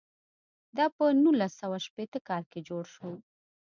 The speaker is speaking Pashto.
دا په نولس سوه شپېته کال کې جوړ شو.